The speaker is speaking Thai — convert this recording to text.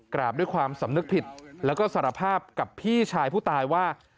กราบด้วยความสำนึกผิดแล้วก็สารภาพกับพี่ชายผู้ตายว่า